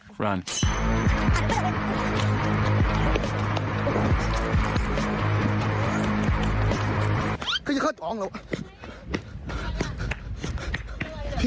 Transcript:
เขาจะเข้าจองหรอ